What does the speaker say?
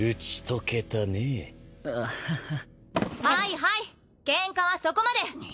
はいはいケンカはそこまで！